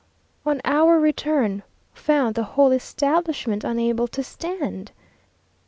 On our return, found the whole establishment unable to stand!